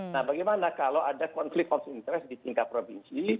nah bagaimana kalau ada konflik konflik di tingkat provinsi